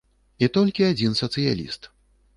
І толькі адзін сацыяліст.